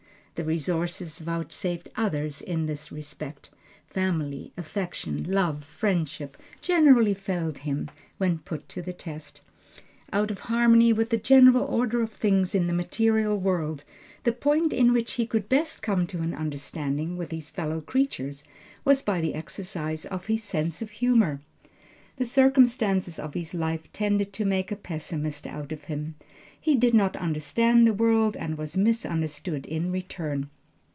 The resources vouchsafed others in this respect, family affection, love, friendship, generally failed him when put to the test. Out of harmony with the general order of things in the material world, the point in which he could best come to an understanding with his fellow creatures was by the exercise of his sense of humor. The circumstances of his life tended to make a pessimist of him. He did not understand the world and was misunderstood in return.